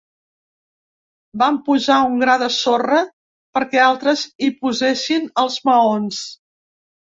Vam posar un gra de sorra perquè altres hi posessin els maons.